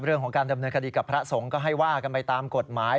เรื่องของการดำเนินคดีกับพระสงฆ์ก็ให้ว่ากันไปตามกฎหมาย